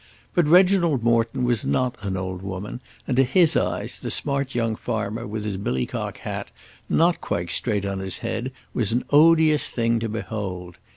But Reginald Morton was not an old woman, and to his eyes the smart young farmer with his billicock hat, not quite straight on his head, was an odious thing to behold.